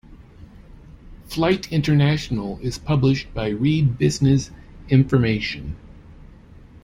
"Flight International" is published by Reed Business Information.